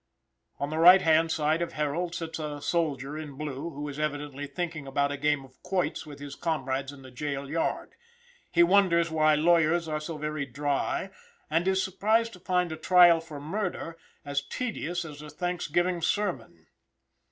At the right hand side of Harold sits a soldier in blue, who is evidently thinking about a game of quoits with his comrades in the jail yard; he wonders why lawyers are so very dry, and is surprised to find a trial for murder as tedious as a thanksgiving sermon.